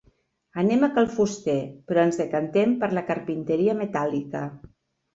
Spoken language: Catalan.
Anem a cal fuster, però ens decantem per la “carpinteria metàl·lica”.